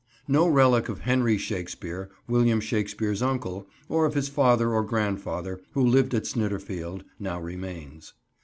No relic of Henry Shakespeare, William Shakespeare's uncle, or of his father or grandfather, who lived at Snitterfield, now remains.